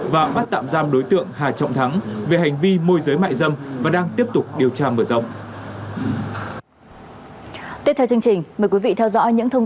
và bắt tạm giam đối tượng hà trọng thắng